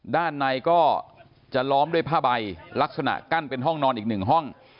ด้านในก็จะล้อมด้วยผ้าใบลักษณะกั้นเป็นห้องนอนอีกหนึ่งห้อง